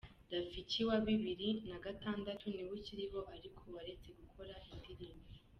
“Rafiki wa bibiri nagatandatu ni we ukiriho ariko waretse gukora indirimbo